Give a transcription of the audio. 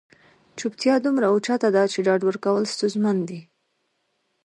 چوپتیا دومره اوچته ده چې ډاډ ورکول ستونزمن دي.